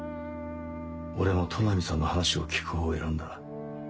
俺も都波さんの話を聞くほうを選んだ。